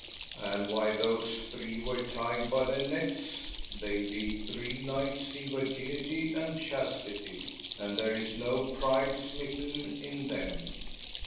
And why those three were tied by the necks, they be three knights in virginity and chastity, and there is no pride smitten in them.